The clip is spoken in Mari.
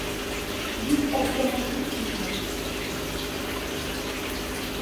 Вӱд оптымым ит вучо.